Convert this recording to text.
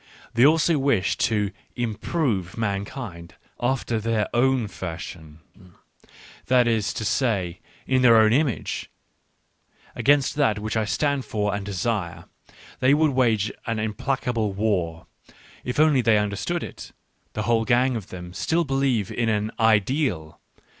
They also wish to " im prove " mankind, after their own fashion — that is to say, in their own image ; against that which I stand for and desire, they would wage an implacable war, if only they understood it ; the whole gang of them still believe in an "ideal."